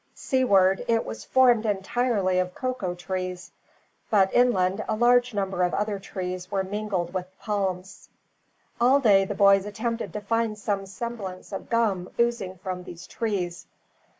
Seaward, it was formed entirely of cocoa trees, but inland a large number of other trees were mingled with the palms. All day the boys attempted to find some semblance of gum oozing from these trees.